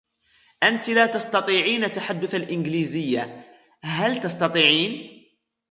أنتِ لا تستطيعين تحدث الإنجليزية, هل تستطيعين ؟